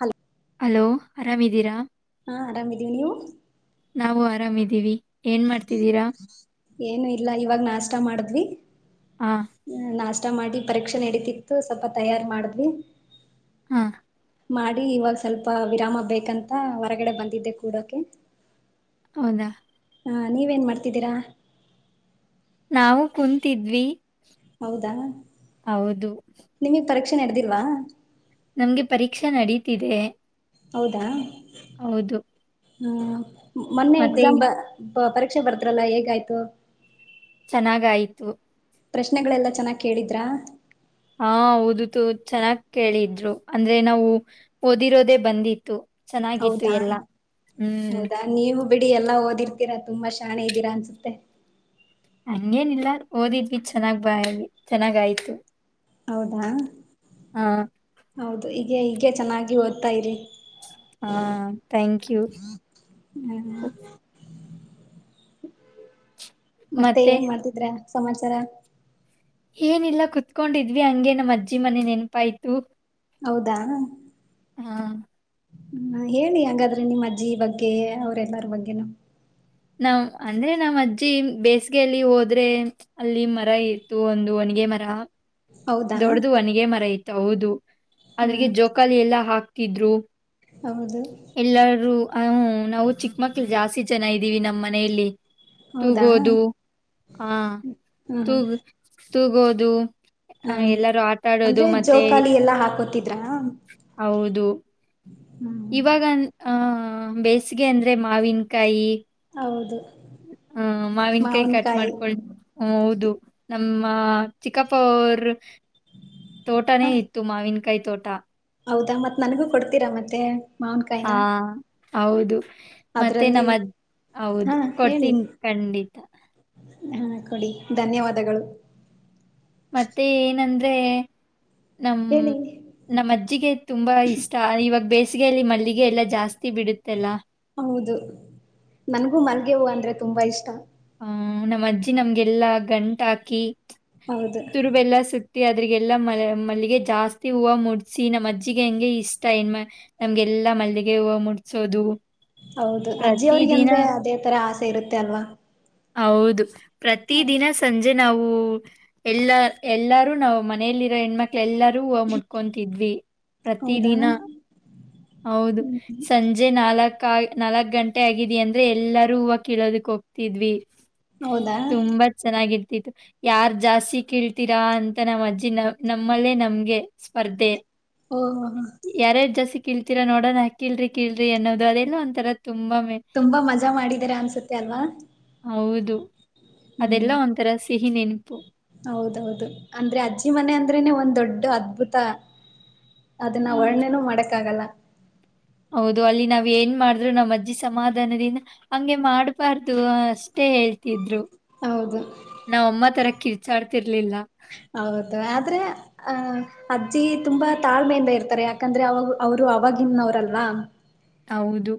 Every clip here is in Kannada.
ಹಲೊ ಹಲೋ ಆರಾಮಿದ್ದೀರಾ ಹಾ ಆರಾಮಿದೀವಿ ನೀವು ನಾವು ಆರಾಮಿದ್ದೀವಿ ಏನ್ ಮಾಡ್ತಿದ್ದೀರಾ? ಏನು ಇಲ್ಲ ಇವಾಗ ನಾಷ್ಟಾ ಮಾಡಿದ್ವಿ ಆ, ಹ್ಮ್ ನಾಸ್ ಸ್ಟ ಮಾಡಿ ಪರೀಕ್ಷೆ ನಡೀತಿತ್ತು ಸ್ವಲ್ಪ ತಯಾರು ಮಾಡದ್ವಿ ಹಾ ಮಾಡಿ ಇವಾಗ ಸ್ವಲ್ಪ ವಿರಾಮ ಬೇಕಂತ ಹೊರಗಡೆ ಬಂದಿದ್ದೆ ಕೂಡೋಕೆ ಅದ ಹಾ ನೀವೇನ್ ಮಾಡ್ತಿದ್ದೀರಾ ನಾವು ಕುಂತಿದ್ವಿ ಹೌದಾ ಹೌದು. ನಿಮಿಗ್ ಪರೀಕ್ಷೆ ನೆಡ್ದಿಲ್ವಾ ನಮ್ಗೆ ಪರೀಕ್ಷಾ ನಡೀತಿದೆ ಹೌದಾ ಹೌದು ಹ್ಮ ಮೊನ್ನೆ ಮತ್ತೆ ಎಕ್ಸಾಮ್ ಬ ಪರೀಕ್ಷೆ ಬರುದ್ರಲ್ಲ ಹೇಗಾಯ್ತು ಚೆನ್ನಾಗಯ್ತು ಪ್ರಶ್ನೆಗಳೆಲ್ಲಾ ಚೆನ್ನಾಗ್ ಕೇಳಿದ್ರಾ ಹಾ ಓದತು ಚೆನ್ನಾಗ್ ಕೇಳಿದ್ರು ಅಂದ್ರೆ ನಾವು ಓದಿರೋದೇ ಬಂದಿತ್ತು ಚೆನ್ನಾಗಿತ್ತು ಹೌದಾ ಎಲ್ಲ. ಹ್ಮ್. ಹೌದಾ ನೀವು ಬಿಡಿ ಎಲ್ಲಾ ಓದಿರ್ತೀರಾ ತುಂಬಾ ಶಾನೆ ಇದ್ದೀರಾ ಅನ್ಸುತ್ತೆ. ಹಂಗೇನಿಲ್ಲ ಓದಿದ್ವಿ ಚೆನ್ನಾಗ್ ಬ ಚೆನ್ನಾಗಾಯ್ತು. ಹೌದಾ ಹಾ, ಹೌದು ಈ ಹೀಗೆ ಚೆನ್ನಾಗಿ ಓದ್ತಾ ಇರಿ. ಹಾ ಥ್ಯಾಂಕ್ ಯು. ಹ್ಮ್ ಮತ್ತೆ ಏನ್ ಮಾಡ್ತಿದ್ರ. ಸಮಾಚಾರ ಏನಿಲ್ಲ ಕುೂತ್ಕೊಂಡಿದ್ವಿ ಹಂಗೆ ನಮ್ಮ ಅಜ್ಜಿ ಮನೆ ನೆನ್ಪಾಯ್ತು. ಹೌದಾ ಹಾ ಹ್ಮ ಹೇಳಿ ಹಂಗಾದ್ರೆ ನಿಮ್ಮ ಅಜ್ಜಿ ಬಗ್ಗೆ ಅವ್ರೆಲ್ಲಾರ ಬಗ್ಗೆನು. ನಾವ್ ಅಂದ್ರೆ ನಮ್ಮ್ ಅಜ್ಜಿ ಬೇಸಿಗೆಯಲ್ಲಿ ಹೋದ್ರೆ ಅಲ್ಲಿ ಮರ ಇತ್ತು ಒಂದು ಒಣಿಗೆ ಮರ. ಹೌದಾ ದೊಡ್ಡ್ದ ಒನಿಗ ಮರ ಇ ಹೌದು ಅದ್ರಿಗೆ ಹ್ಮ್ ಜೋಕಾಲಿ ಎಲ್ಲಾ ಹಾಕ್ ಕಿದ್ದರು ಹೌದು ಎಲ್ಲಾರೂ ಹ ನಾವು ಚಿಕ್ಕ ಮಕ್ಳ ಜಾಸ್ತಿ ಜನ ಇ ೀವಿ ನಮ್ಮ್ ಮನೆಯಲ್ಲಿ ಹೌದಾ ತೂಗೋದು ಹಾ ತೂಗ ತೂಗೋದು ಆ, ಹ್ಮ ಎಲ್ಲರೂ ಆಟ ಆಡೋದು ಅಂದ್ರೆ ಮತ್ತೆ ಜೋಕಾಲಿ ಎಲ್ಲಾ ಹಾಕೋತಿದ್ರ ಹೌದು ಇವಾಗ ಆಹ ಬೇಸಿಗೆ ಅಂದ್ರೆ ಮಾವಿನಕಾಯಿ ಹೌದು ಹ ಮಾವಿನ ಕಾಯಿ ಕಟ್ ಮಾವನ್ಕಾಯಿ ಮಾಡ್ಕೊಳ್ ಹ ಹೌದು ನಮ್ಮ ಚಿಕ್ಕಪ್ಪರ್ ತೋಟಾನೇ ಹ ಇತ್ತು ಮಾವಿನ ಕಾಯಿ ತೋಟ ಹೌದಾ ಮತ್ತ್ ನನಗೂ ಕೊಡ್ತೀರಾ ಮತ್ತೆ ಮೌನ್ ಹಾ ಕಾಯನಾ ಹೌದು ಮತ್ತೆ ನಮ್ಮದ್ ಹಾ ಹೌದು ಹೇಳಿ ಕೊಡ್ತೀನ್ ಖಂಡಿತ. ಹಾ ಕೊಡಿ ಧನ್ಯವಾದಗಳು. ಮತ್ತೆ ಏನಂದ್ ದೆ ನಮ್ಮ್ ಹೇಳಿ ನಮ್ಮ್ ಅಜ್ಜಿಗೆ ತುಂಬಾ ಇಷ್ಟ ಇವಾಗ್ ಬೇ ಬೇಸ್ಗೆಯಲ್ಲಿ ಮಲ್ಲಿಗೆ ಎಲ್ಲಾ ಜಾಸ್ತಿ ಬಿಡುತ್ತೆಲ್ಲಾ ಹೌದು ನನ್ಗೂ ಮಲ್ಗೆ ಹೂವು ಅಂದ್ರೆ ತುಂಬಾ ಇಷ್ಟ ಹ್ಮ ನಮ್ಮ ಅಜ್ಜಿ ನಮಗೆಲ್ಲ ಗಂಟ ಹಾಕಿ ಹೌದು ತುರುಬೆಲ್ಲ ಸುತ್ ಅದ್ರರಿಗೆಲ್ಲ ಮ ಮಲ್ಲಿಗೆ ಜಾಸ್ತಿ ಹೂವ ಮುಡ್ಸಿ ನಮ್ಮಜ್ಜಿಗೆ ಹಂಗೆ ಇಷ್ಟ ಏನ್ ನಮಗೆಲ್ಲ ಮಲ್ಲಿಗ್ ಗೆ ಹೂವ ಮುಡಸೋದು ಹೌದು ಅಜ್ಜಿ ಅವ್ರಿಗೆ ಅಂದ್ರೆ ಅದೇ ತರ ಆಸೆ ತೆ ಇರುತ್ತೆ ಅಲ್ವಾ ಹೌದು ಪ್ರತಿ ಹ್ಮ ದಿನ ಸಂಜೆ ಜೆ ನಾವು ಎಲ್ಲಾ ಎಲ್ಲಾರು ನಾವು ಮನೆಯಲ್ಲಿರೋ ಹೆಣ್ಮಕ್ಳ ಎಲ್ಲಾ ಮುಟ್ಕೊತಿದ್ವಿ ಪ್ರತಿ ಹೌದಾ ದಿನ ಹೌದು ಸಂಜೆ ನಾಲ್ಕು ಕಾಯ್ ನಾಲ್ಕಕ್ ಗಂಟೆ ಆಗಿದೆ ಅಂದ್ರೆ ಎಲ್ಲರೂ ಹೂವ ಕೀಳೋದಕ್ಕೆ ಹೋಗ್ತಿದ್ವಿ ಸ್ ಹೌದಾ ತುಂಬಾ ಚೆನ್ನಾಗಿ ಯಾರ್ ಜಾಸ್ತಿ ಕೀಳ್ತೀರಾ ಅಂತ ನಮ್ಮ್ ಅಜ್ಜಿ ನ ನಮ್ಮಲ್ಲೇ ನಮ್ಗೆ ಸ್ಪರ್ಧೆ ಓ ಹ ಹಾ ಕಿಳ್ತೀರಾ ನೋಡೋಣ ಕೀಳ್ರಿ ಕೀಳ್ರಿ ಅನ್ನೋದು ಅದೆಲ್ಲ ಒಂಥರ ತುಂಬಾ ಮೆ- ತುಂಬಾ ಮಜಾ ಮಾಡಿದಿರ ಅನ್ಸತ್ತೆ ಅಲ್ವಾ ಹೌದು ಹ್ಮ್ ಅದೆಲ್ಲ ಒಂಥರ ಸ್ ಸಿಹಿ ನೆನಪು ಹೌದೌದು ಅಂದ್ರೆ ಅಜ್ಜಿ ಮನೆ ಅಂದ್ರೇನೆ ಒಂದ್ ದೊಡ್ಡ ಅದ್ಭುತ ಅದನ್ನ ಹೌದು ವರ್ಣೇನೂ ಮಾಡಕ್ಕಾಗಲ್ಲ ಹೌದು ಅಲ್ಲಿ ನಾವ್ ಏನ್ ಮಾಡ್ರು ನಮ್ಮ್ ಅಜ್ಜಿ ಸಮಾಧಾನದಿಂದ ಹಂಗೆ ಮಾಡ್ಬಾರ್ದು ಅಷ್ಟೇ ಹೇಳ್ತಿದ್ರು ಹೌದು ನಾ ಅಮ್ಮ ತರ ಕಿರ್ ಚ್ಚಾಡ್ತಿರ್ಲಿಲ್ಲ ಹೌದು ಆದ್ರೆ ಅಹ ಅಜ್ಜಿ ತುಂಬಾ ತಾಳ್ಮೆಯಿಂದ ಇರ್ತಾರೆ ಯಾಕಂದ್ರೆ ಅವಾಗ ಅವರು ಅವಾಗಿನವ್ರಲ್ವಾ ಹೌದು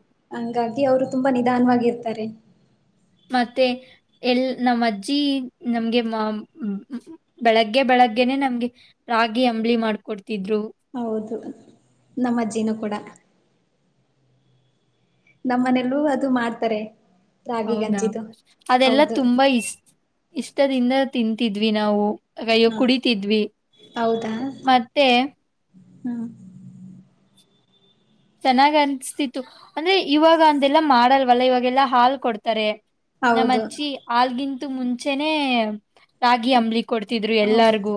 ಹಾಗಾಗಿ ಅವರು ತುಂಬಾ ನಿಧಾನವಾಗಿರ್ತಾರೆ ಮತ್ತೆ ಎಲ್ ನಮ್ಮ್ ಅಜ್ಜಿ ನಮ್ಗೆ ಮ ಬೆಳಗ್ಗೆ ಬೆಳಗ್ಗೆನೆ ನಮ್ಗೆ ರಾಗಿ ಅಂಬ್ಲಿ ಮಾಡ್ಕೊಡ್ತಿತ್ತು ಹೌದು ನಮ್ಮಜ್ಜಿನು ಕೂಡ ನಮ್ಮನೆಲ್ಲೂ ಅದು ಮಾಡ್ತಾರೆ ರಾಗಿ ಹೌದಾ ಗಂಜಿದು ಅದೆಲ್ಲ ಹೌದು ತುಂಬಾ ಇಷ್ ಇಷ್ಟದಿಂದ ತಿಂತಿದ್ವಿ ನಾವು ಅಯ್ಯೋ ಹಾ ಕುಡಿತಿದ್ವಿ ಮತ್ತೆ ಹಾ ಚೆನ್ನಾಗ್ ಅನ್ಸ್ತಿತ್ತು ಅಂದ್ರೆ ಇವಾಗ ಅಂದೆಲ್ಲಾ ಮಾಡಲ್ವಲ್ಲ ಇವಾಗೆಲ್ಲಾ ಹಾಲ್ ಕೊಡ್ತಾರೆ ನಮ್ಮ ಹೌದು ಅಜ್ಜಿ ಆಲ್ಗಿಂತ ಮುಂಚೆನೆ ರಾಗಿ ಅಂಬಲೀ ಕೊಡ್ತಿದ್ರು ಹೌದು ಎಲ್ಲಾರ್ಗು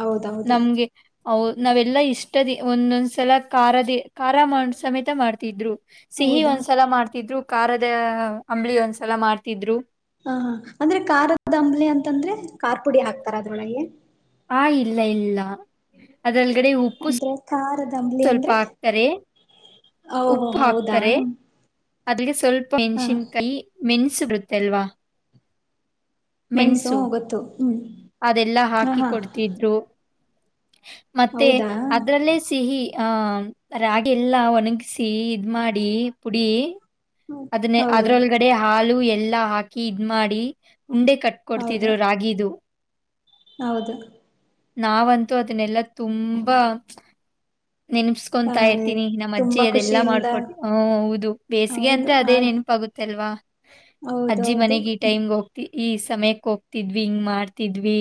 ಹೌದೌದು ನಮ್ಗೆ ಹ ನಾವೆಲ್ಲಾ ಇಷ್ಟದ ಒಂದೊಂದ್ಸಲ ಕಾರಲಿ ಆರ ಮಾಡ ಸಮೇತ ಮಾಡ್ತಿದ್ರು ಸಿಹಿ ಹೌದಾ ಒಂದ್ಸಲ ಮಾಡ್ತಿದ್ರು ಖಾರದ ಅಂಬ್ಳಿ ಒಂದಸ ಎಲ ಮಾಡ್ತಿದ್ರು ಹ ಹ ಅಂದ್ರೆ ಖಾರದ ಅಂಬ್ಲೆ ಅಂತಂದ್ರೆ ಖಾರ್ ಪುಡಿ ಹಾಕ್ತಾರ ಅದ್ರೊಳಗೆ ಹಾ ಇಲ್ಲ ಇಲ್ಲ ಅದ್ರಲ್ಲಿ ಅಂದ್ರೆ ಖಾರದ್ ಸ್ವಲ್ಪ ಹಾಕ್ತಾರೆ ಓಹೋ ಉಪ್ಪು ಹೌದಾ ಹಾಕ್ತಾರೆ ಅದಗೆ ಸ್ವಲ್ಪ ಹಾ ಮೆಣಸಿನ್ಕಾಯಿ ಮೆನ್ಸು ಬರುತ್ತೆಲ್ವಾ ಮೆಣಸು ಗೊತ್ತು ಹ್ಮ್ ಅದೆಲ್ಲ ಹ ಹಾಕಿ ಹಾ ಕೊಡ್ತಿದ್ರು ಮತ್ತೆ ಹೌದಾ ಅದ್ರಲ್ಲೇ ಸಿಹಿ ಆಹ ರಾಗಿ ಎಲ್ಲಾ ಒಣಗಸಿ ಇದ ಮಾಡಿ ಪುಡಿ ಅದನ್ನ ಹೌದು ಅದ್ರೊಳಗಡೆ ಹಾಲು ಎಲ್ಲಾ ಹಾಕಿ ಇದ್ ಮಾಡಿ ಉಂಡೆ ಕಟ್ ಹೌದು ಕೊಡ್ತಿದ್ರು ರಾಗಿದು ಹೌದು ನಾವಂತೂ ಅದನ್ನೆಲ್ಲಾ ತುಂಬಾ ಹ ನೆನಪಸ್ಕೊತಾ ಇರ್ತೀನಿ ನಮ್ಮ ಅಜ್ಜಿ ತುಂಬಾ ಅದೆಲ್ಲಾ ಖುಷಿಯಿಂದ ಮಾಡ್ಕೊಟ್ಟ ಹ ಹೌದು ಬೇಸಿಗೆ ಹೌದು ಅಂದ್ರೆ ಆ ಅದೇ ನೆನಪಾಗುತ್ತೆ ಅಲ್ವಾ ಅಜ್ಜಿ ಹೌದೌದು ಮನೆಗೆ ಈ ಟೈಮ್ಗೆ ಹೋಗ್ತಿ ಈ ಸಮಯಕ್ಕೆ ಹೋಗ್ತಿದ್ವಿ ಹಿಂಗ್ ಮಾಡ್ತಿದ್ವಿ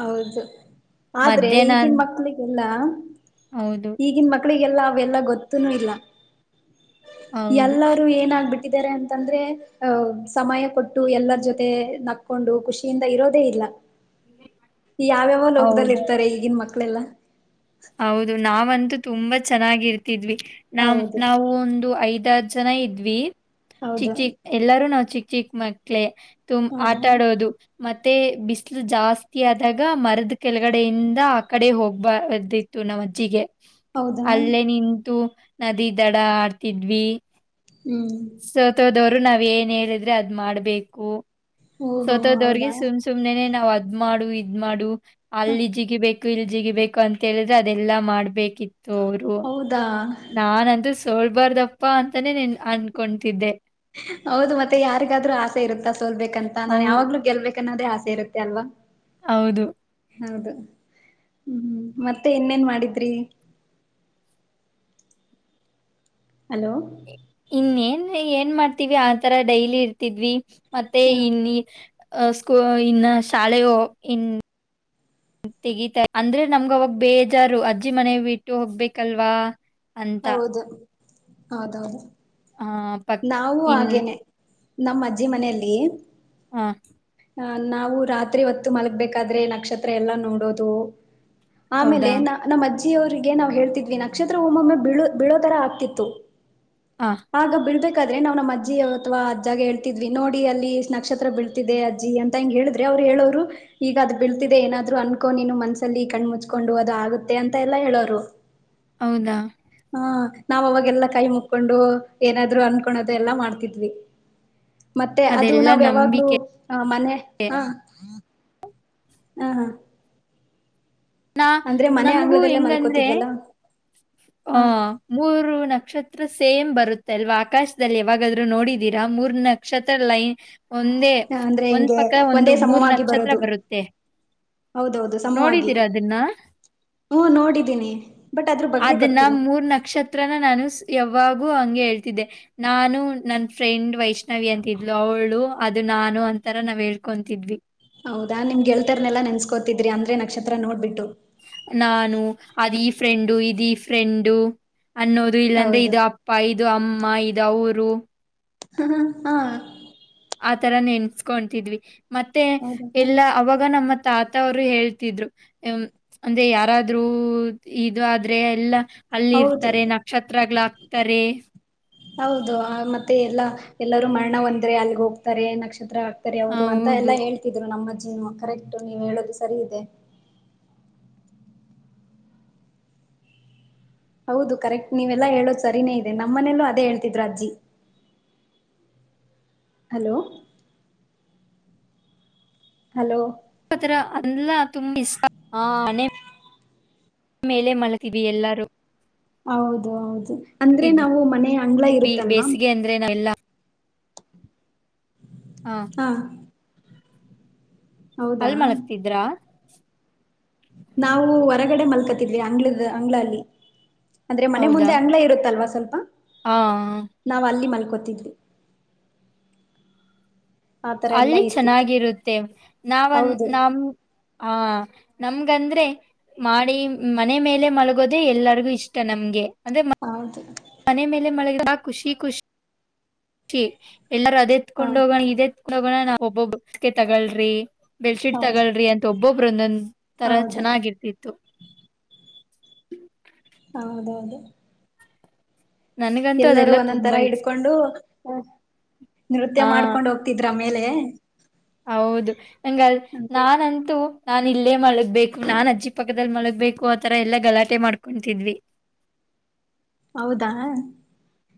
ಹೌದು ಆದ್ರೆ ಮಧ್ಯಾಹ್ನ ಈಗಿನ ಅನ್ ಮಕ್ಳಿಗೆ ಇಲ್ಲ ಹೌದು ಈಗನ್ ಮಕ್ಕ ಮಕ್ಕಳಿಗೆಲ್ಲ ಅವೆಲ್ಲ ಗೊತ್ತನ ಇಲ್ಲ ಹೌದು ಎಲ್ಲಾರೂ ಏನಾಗಬಿಟ್ಟ ಕಿದ್ದಾರೆ ಅಂತಂದ್ರೆ ಅಹ್ ಸಮಯ ಕೊಟ್ಟು ಎಲ್ಲರ ಜೊತೆ ನಕ್ಕೊಂಡು ಖುಷಿಯಿಂದ ಇರೋದೇ ಇಲ್ಲ. ಯಾವ್ಯಾವೊ ಲೋಕದಲ್ಲಿ ಹೌದು. ಇರ್ತಾರೆ ಈಗಿನ್ ಮಕ್ ಮಕ್ಳೆಲ್ಲ ಹೌದು ನಾವಂತೂ ತುಂಬಾ ಚೆನ್ನಾಗಿ ಇರ್ತಿದ್ವಿ. ನಮ್ ಹೌದು ನಾವು ಒಂದು ಐದ್ ದ ಜನ ಇದ್ವಿ ಹೌದು ಚಿಕ್ ಚಿಕ್ ಎಲ್ಲಾರೂ ನಾವ್ ಚಿಕ್ ಚಿಕ್ ಮಕ್ಳೇ ತುಮ್ ಹೌದಾ ಆಟಾಡೋದು ಮತ್ತೆ ಬಿಸಿಲು ಜಾಸ್ತಿ ಆದಾಗ ಮರದ ಕೆಳಗಡೆಯಿಂದ ಆ ಕಡೆ ಹೋಗ್ಬಾರ್ದಿ ತು ನಮ್ ಅಜ್ಜಿಗೆ ಹೌದಾ ಅಲ್ಲೇ ನಿಂತು ನದಿ ದಡ ಆಡ್ತಿದ್ವಿ. ಹ್ಮ್ ಸೋತೋದವ್ರ್ ರು ನಾವ್ ಏನ್ ಹೇಳಿದ್ರೆ ಅದ್ ಮಾಡ್ಬೇಕು. ಓಹೋ ಸೋತೋದವ್ರ್ಗೆ ಹೌದಾ ಸುಮ್ ಸುಮ್ನೆನೆ ನಾವ್ ಆ ಅದ್ ಮಾಡು ಇದ್ ಮಾಡು ಅಲ್ಲಿಜಿಗಗಿ ಬೇಕ್ ಇಲ್ಜಿಗಿಬೇಕು ಅಂತ ಹೇಳುದ್ ರ ಅದೆಲ್ಲ ಮಾಡ್ಬೇ ಕಿತ್ತು ಅವ್ರು ಹೌದಾ ನಾನಂತೂ ಸು ತೊಗೂಳ್ಬಾರ್ದಪ್ಪಾ ಅಂತಾನೇ ನೀನ್ ಅನ್ಕೊಂತಿದ್ದೆ. ಹೌದು ಮತ್ತೆ ಯಾರಿಗಾದ್ರೂ ಆಸೆ ಇರುತ್ತ ಸ ಸೊಲ್ಬೇಕ ಅಂತ ಹೌ ನಾನ್ ಯಾವ್ಲೂ ಗೆಲ್ಬೇಕು ಕನ್ ಅನ್ನದ್ದೆ ಆಸೆ ಇರುತ್ತೆ ಅಲ್ವಾ. ಹೌದು. ಹೌದು ಹ್ಮ್ ಮತ್ತೆ ಇನ್ನೇನ್ ಮಾಡಿದ್ರಿ. ಹಲೋ. ಇನ್ ಏನ್ ಏನ್ ಮಾಡ್ತೀವಿ ಆತರ ಡೈಲಿ ಇರ್ತಿದ್ವಿ. ಮತ್ತೆ ಹ ಇನ್ನಿ. ಅ ಸ್ಕೂ ಇನ್ನ ಶಾಲೆಯೋ [unintelligible] ಇನ್ [unintelligible] ತೆಗಿತಾರೆ ಅಂದ್ರೆ ನಮ್ಗ್ ಅವಾಗ್ ಬೇಜಾರು ಅಜ್ಜಿ ಮನೆ ಬಿಟ್ಟು ಹೋಗ್ಬೇಕಲ್ವಾ. ಅಂತ. ಹೌದು. ಹೌದೌದು. ಆ ಪಕ್ ನಾವು ಇನ್ ಆಗೇನೆ. ನಮ್ ಅಜ್ಜಿ ಮನೆಲ್ಲಿ. ಹಾ. ಹ ನಾವು ರಾತ್ರಿ ಹೊತ್ತು ಮಲಗ್ಬೇಕಾದ್ರೆ ನಕ್ಷತ್ರ ಎಲ್ಲಾ ನೋಡೋದು ಆಮೇಲೆ ಹೌದಾ? ನ ನಮ್ ಅಜ್ಜಿ ಜಿ ಅವರಿಗೆ ನಾವು ಹೇಳ್ತಿದ್ವಿ ನಕ್ಷತ್ರ ಒಮ್ಮೊಮ್ಮೆ ಬಿಳು ಬಿಳೋ ತರ ಆಗ್ತಿತ್ತು. ಆ ಆಗ ಬಿಳ್ಬೇಕ್ ಕಾದ್ರೆ ನಾವ್ ನಮ್ ಅಜ್ಜಿ ಅಥವಾ ಅಜ್ಜಾಗೆ ಹೇಳ್ತಿದ್ವಿ ನೋಡಿ ಅಲ್ಲಿ ಎಷ್ಟ್ ನಕ್ಷತ್ರ ಬೀಳ್ತಿದೆ ಅಜ್ಜಿ ಅಂತ ಹಿಂಗ್ ಹೇಳಿದ್ರೆ ಅವ್ರು ಹೇಳೋರು ಈಗ ಅದ್ ಬೀಳ್ತಿದೆ ಏನಾದ್ರು ಅನ್ಕೋ ನೀನು ಮನಸಲ್ಲಿ ಕಣ್ ಮುಚ್ಕೊಂಡು ಅದು ಆಗುತ್ತೆ ಅಂತ ಎಲ್ಲ ಹೇಳೋರು. ಹೌದಾ ಹಾ ನಾವ ಅವಾಗೆಲ್ಲಾ ಕೈ ಮುಕೊಂಡು ಏನಾದ್ರು ಅನ್ಕೊಣೋದು ಎಲ್ಲಾ ಮಾಡ್ತಿದ್ವಿ. ಮತ್ತೆ ಅದು ಅದೆಲ್ಲ ನಾವ್ ಯಾವಾಗ್ಲೂ ನಂಬಿಕೆ. ಮನೆ ಹ ಆ ಹಾ ನಾ ಅಂದ್ರೆ ಮನೆ ನಮಗೂ ಅಂಗಳದಲ್ಲೇ ಹೆಂಗಂದ್ರೆ ಮಲ್ಕೋತಿದ್ವಲ್ಲ ಆ ಹಾ ಮೂರು ನಕ್ಷ ತ್ರ ಸೇಮ್ ಬರುತ್ತೆ ಅಲ್ವಾ ಆಕಾಶದಲ್ಲಿ ಯಾವಾಗಾದ್ರು ನೋಡಿದೀರಾ ಮೂರ್ ನಕ್ಷತ್ರ ಲೈ ಹ ಅಂದ್ರೆ ಹಿಂಗೆ ಒಂದೇ ಮೂರ್ ಸಮವಾಗಿ ನಕ್ಷತ್ರ ಬರೋದು ಬರುತ್ತೆ ಹೌದೌದು ಸಮವಾಗಿ ತೀರ ಅದನ್ನ ಹ್ಮ್ ನೋಡಿದ್ದೀನಿ ಬಟ್ ಅದ್ರ ಬಗ್ಗೆ ಅದನ್ನ ಗೊತ್ತಿಲ್ಲ. ಮೂರ್ ನಕ್ಷತ್ರನ ನಾನು ಸ್ ಯವ್ ಅವಾಗೂ ಹಂಗೆ ಹೇಳ್ತಿದ್ದೆ ನಾನು ನನ್ ಫ್ರೆಂಡ್ ವೈಷ್ಣವಿ ಅಂತಿದ್ಲು ಅವಳು ಅದು ನಾನು ಅಂತರ ನಾವ್ ಹೇಳ್ಕೊತಿದ್ವಿ. ಹೌದಾ ನಿಮ್ಗೆಳ್ತರ್ನೆಲ್ಲ ನೆನ್ಸ್ಕೋತಿದ್ರಿ ಅಂದ್ರೆ ನಕ್ಷತ್ರ ನೋಡ್ಬಿಟ್ಟು. ನಾನು ಅದ್ ಈ ಫ್ರೆಂಡು ಇದ್ ಈ ಫ್ರೆಂಡು. ಅನ್ನೋದು ಇಲ್ಲಾಂದ್ರೆ ಹೌದು ಇದು ಅಪ್ಪ ಇ ಇದು ಅಮ್ಮ ಇದ್ ಅವ್ರು. ಹಃ ಹಃ ಹಾ. ಆತರ ನೆನ್ಸ್ಕೊಂಡ್ತಿದ್ವಿ. ಮತ್ತೆ ಹೌದು ಎಲ್ಲಾ ಅವಾಗ ನಮ್ಮತ್ ತಾತ ಅವ್ರು ಹೇಳ್ತಿದ್ರು ಜಿಮ್ ಅಂದ್ರೆ ಯಾರಾದ್ರರು ಇದು ಆದ್ರೆ ಎಲ್ಲಾ. ಅಲ್ ಹೌದು ಇರ್ತಾರೆ ನಕ್ಷತ್ರಗಳ ಆಗ್ತಾರೆ. ಹೌದು ಅ ಮತ್ತೆ ಎಲ್ಲಾ ಎಲ್ಲರೂ ಮರ್ಣ ಹೊಂದ್ರೆ ಅಲ್ಲಿಗ್ ಹೋಗ್ತಾರೆ ನಕ್ಷತ್ರ ಆಗ್ ತರೆ ಅವ್ರು ಅಂತ ಎಲ್ಲ ಹೌದು ಹೇಳ್ತಿದ್ರು ನಮ್ ಅಜ್ಜಿ ಜಿನು ಕರೆಕ್ಟು ನೀವ್ ಹೇಳೋದು ಸರಿ ಇದೆ. ಹೌದು ಕರೆಕ್ಟ್ ನೀವೆಲ್ಲಾ ಹೇಳೋದು ಸರಿನೇ ಇದೆ ನಮ್ ಮನೇಲೂ ಅದೇ ಹೇಳ್ತಿದ್ರು ಅಜ್ಜಿ. ಹಲೋ. ಹಲೋ. ಆತರ ಅಲ್ಲ ತುಂಬಾ ಇ [unintelligible] ಮೇಲೆ ಮಲ್ಗಿದ್ವಿ ಎಲ್ಲಾರು. ಹೌದು ಹೌದು ಅಂದ್ರೆ ಇದ್ವಿ ನಾವು ಮನೆ ಅಂಗ್ಳ ಇರುತ್ತಲ್ವಾ. ಬೇಸಿಗೆ ಅಂದ್ರೆ ನಾವೆಲ್ಲ ಹಾ ಹೌದಾ ಅಲ್ ಮಲಗ್ತೀದ್ರ? ನಾವು ಹೊರಗಡೆ ಮಲ್ಕತಿದ್ವಿ ಅಂಗಳ ಅಂಗಳಲ್ಲಿ ಅಂದ್ರೆ ಮನೆ ಹೌದಾ ಮುಂದೆ ಅಂಗಳ ಇರುತ್ತಲ್ವಾ ಸ್ವಲ್ ಹಾ ಆ ಕೋತಿದ್ವಿ. ಅಲ್ಲಿ ಇರ್ತಿತ್ತು. ಚೆನ್ನಾಗಿರುತ್ತೆ ನಾವನ್ ಹೌದು ನಮ್ ಹ ನಮ್ಗಂದ್ರೆ ಮಾಡಿ ಮನೆ ಮೇಲೆ ಮಲಗೋದೆ ಎಲ್ಲರಿಗು ಇಷ್ಟ ನಮ್ಗೆ. ಅಂದ್ರೆ ಮ- ಹೌದು ಮನೆ ಮೇಲೆ ಮಲಗಿದ ಆ ಖುಷಿ ಖುಷ್ ಷಿ ಎಲ್ಲರೂ ಅದು ಏತ್ಕೊಂಡ್ ಹೌದು ಹೋಗೋಣ ಇದೆ ಗೋಣ ನಾವ್ ಒಬ್ಬೊಬ್ಬಸ್ ಗೆ ತಗೋಳ್ರಿ ಬೆಡ್ ಶೀಟ್ ಹೌದು ತಗೋಳ್ರಿ ಅಂತ ಒಬ್ಬೋಬ್ ಪ್ರನನ್ಸ್ ತರ ಹೌದು ಚೆನ್ನಾಗಿರ್ತಿತ್ತು. ಹೌದೌದು ನನ್ಗಂತೂ ಎಲ್ಲರೂ ಅದೆಲ್ಲಾ ಒಂದೊಂದ್ ತರ ತುಂಬಾ ಇಷ್ಟ ಹಿಡ್ಕೊಂಡು ಆ ನೃತ್ಯ ಹಾ ಮಾಡ್ಕೊಂಡು ಹೋಗ್ತಿದ್ರು ಆಮೇಲ್ ಮೇಲೆ. ಹೌದು ನಂಗ್ ಅಲ್ ನಾನಂತೂ. ನಾನಿಲ್ಲೆ ಮಲಗ್ಬೇಕು ನಾಣ್ ಅಜ್ಜಿ ಪಕ್ಕದಲ್ ಮಲ್ಗ್ಬೇಕು ಆತರ ಎಲ್ಲ ಗಲಾಟೆ ಮಾಡ್ಕೊಂತ್ತಿದ್ವಿ. ಹೌದಾ.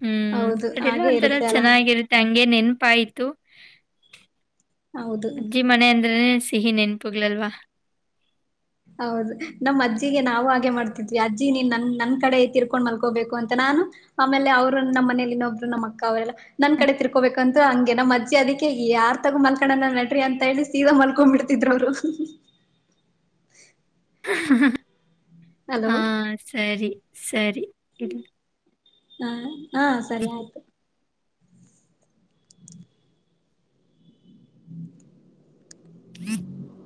ಹ್ಮ್ ಹೌದು ಅದೆಲ್ಲ ಹಾಗೆ ಒಂಥರ ಇರುತ್ತೆ ಅಲ್ಲ ಚೆನ್ನಾಗಿರುತ್ತೆ ಹಂಗೆ ನೆನ್ಪ್ ಪಾಯ್ತು. ಹೌದು. ಅಜ್ಜಿ ಮನೆ ಅಂದ್ರೆನೆ. ಸಿಹಿ ನೆನ್ಪುಗಳಲ್ಲ್ವಾ. ಹೌದು ನಮ್ ಅಜ್ಜಿಗೆ ನಾವು ಹಾಗೆ ಮಾಡ್ತಿದ್ವಿ ಅಜ್ಜಿ ನೀನ್ ನನ್ ನನ್ ಕಡೆ ತಿರ್ಕೊಂಡ್ ಮಲ್ಕೋಬೇಕು ಅಂತ ನಾನು ಆಮೇಲೆ ಅವ್ರು ನಮ್ ಮನೇಲಿ ಇನ್ನೊಬ್ರು ನಮ್ ಅಕ್ಕ ಅವ್ರೆಲ್ಲ ನನ್ ಕಡೆ ತಿರ್ಕೋಬೇಕಂತ ಹಂಗೆ ನಮ್ ಅಜ್ಜಿ ಅದಿಕ್ಕೆ ಯಾರ್ ತಗು ಮಲ್ಕಣ ನಡ್ರಿ ಅಂತ ಹೇಳಿ ಸೀದಾ ಮಲ್ಕೊಂಡ್ಬಿಡ್ತಿದ್ ಅವ್ರು ಹಃ ಹಃ. ಹಃ ಹ ಹ. ಹಾ ಸರಿ. ಸರಿ ಇಲ್ಲ. ಹಾ ಹ ಸರಿ ಆಯ್ತು. ಹ್ಮ್. [unintelligible]